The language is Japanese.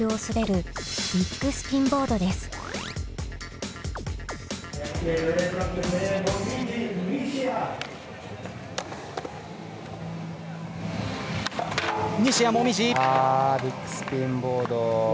あビッグスピンボード。